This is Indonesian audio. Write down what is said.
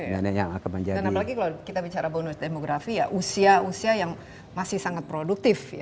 dan apalagi kalau kita bicara bonus demografi ya usia usia yang masih sangat produktif ya